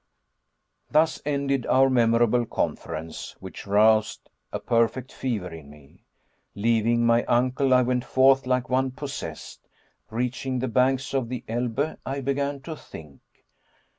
Thus ended our memorable conference, which roused a perfect fever in me. Leaving my uncle, I went forth like one possessed. Reaching the banks of the Elbe, I began to think.